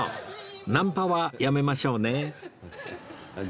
ナンパはやめましょうね